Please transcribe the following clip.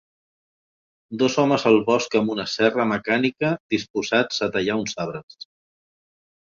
Dos homes al bosc amb una serra mecànica disposats a tallar uns arbres